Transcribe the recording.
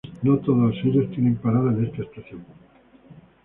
No todos ellos tienen parada en esta estación.